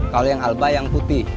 kalau yang alba yang putih